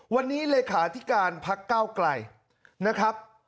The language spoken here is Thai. วันนี้เลขาธิการพักก้าวไกลนะครับ